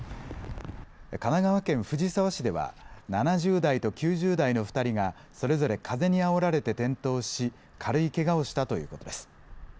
神奈川県藤沢市では７０代と９０代の２人がそれぞれ風にあおられて転倒し、軽いけがをしたということです。